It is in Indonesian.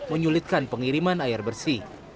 menyulitkan pengiriman air bersih